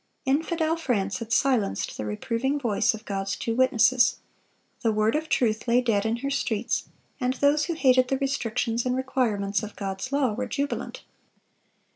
Infidel France had silenced the reproving voice of God's two witnesses. The Word of truth lay dead in her streets, and those who hated the restrictions and requirements of God's law were jubilant.